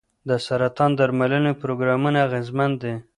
د سرطان درملنې پروګرامونه اغېزمن دي.